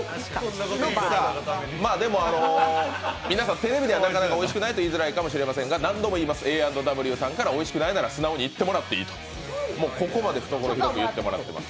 でも、テレビではなかなかおいしくないと言いづらいですが何度も言います、Ａ＆Ｗさんからおいしくないなら素直に言ってもらっていいと、懐広く言っていただいてます。